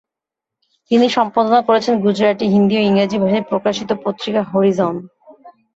তিনি সম্পাদনা করেছেন গুজরাটি, হিন্দি ও ইংরেজি ভাষায় প্রকাশিত পত্রিকা হরিজন।